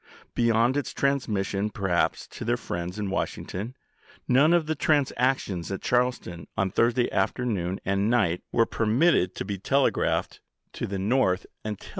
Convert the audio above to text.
Beyond its transmission perhaps to their friends in Washington, none of the transac tions at Charleston on Thursday afternoon and night were permitted to be telegraphed to the North 70 ABKAHAM LINCOLN Chap.